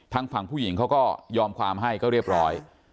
ทางฝั่งผู้หญิงเขาก็ยอมความให้ก็เรียบร้อย